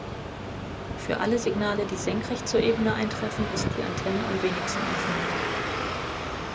Für alle Signale, die senkrecht zur Ebene eintreffen, ist die Antenne am wenigsten empfindlich.